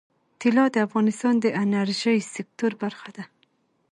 طلا د افغانستان د انرژۍ سکتور برخه ده.